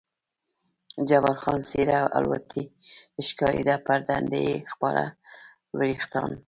جبار خان څېره الوتی ښکارېده، پر تندي یې خپاره وریښتان.